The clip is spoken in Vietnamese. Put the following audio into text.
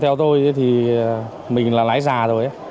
theo tôi thì mình là lái già rồi